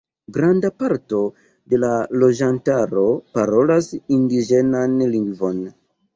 Granda parto de la loĝantaro parolas indiĝenan lingvon.